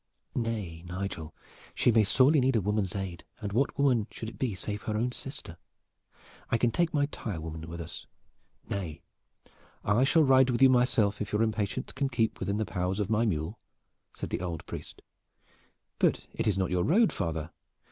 "Nay, Nigel, she may sorely need a woman's aid, and what woman should it be save her own sister? I can take my tire woman with us." "Nay, I shall ride with you myself if your impatience can keep within the powers of my mule," said the old priest. "But it is not your road, father?"